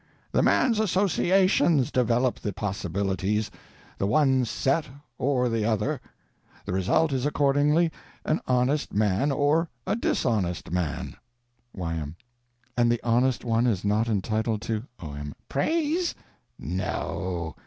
The man's _associations _develop the possibilities—the one set or the other. The result is accordingly an honest man or a dishonest one. Y.M. And the honest one is not entitled to— O.M. Praise? No.